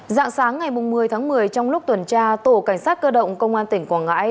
dạng sáng ngày một mươi tháng một mươi trong lúc tuần tra tổ cảnh sát cơ động công an tỉnh quảng ngãi